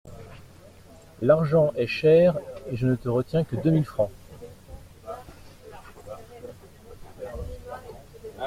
L'argent est cher et je ne te retiens que deux mille francs.